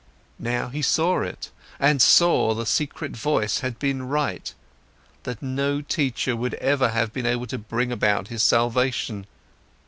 Now he saw it and saw that the secret voice had been right, that no teacher would ever have been able to bring about his salvation.